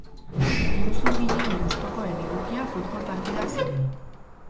Iruzurgileen gustukoen edukia futbol partidak ziren.